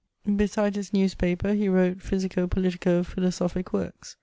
403 Besides bis newspaper, he wrote pbysico politico pfailosophic works.